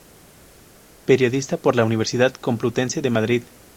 Periodista por la Universidad Complutense de Madrid.